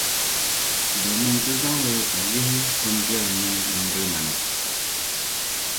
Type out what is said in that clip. Domin ti zaŋ li n-yihi bimbɛlim mini bimbilma na.